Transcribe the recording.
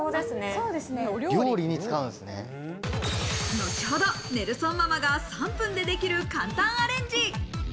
後ほど、ネルソンママが３分でできる簡単アレンジ。